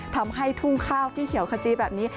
ทำให้ทุ่งข้าวที่เขียวขจี้แบบนี้